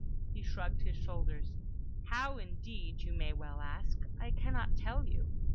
He shrugged his shoulders. "How indeed, you may well ask! I cannot tell you.